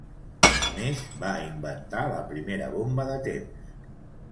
A més, va inventar la primera bomba de temps.